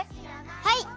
はい！